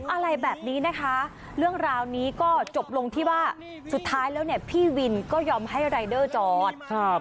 อะไรแบบนี้นะคะเรื่องราวนี้ก็จบลงที่ว่าสุดท้ายแล้วเนี่ยพี่วินก็ยอมให้รายเดอร์จอดครับ